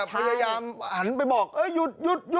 พยายามหันไปบอกเออหยุด